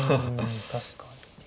確かに。